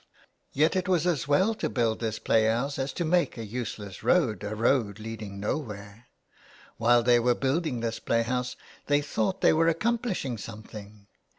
'*" Yet it was as well to build this play house as to make a useless road — a road leading nowhere. While they were building this play house they thought they were accomplishing something.